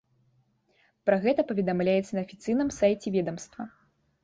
Пра гэта паведамляецца на афіцыйным сайце ведамства.